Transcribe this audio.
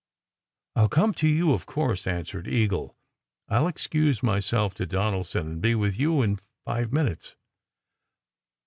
" I ll come to you, of course," answered Eagle. " I ll ex cuse myself to Donaldson, and be with you in five minutes."